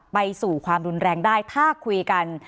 ไปสู่ความรุนแรงได้ถ้าคุยกัน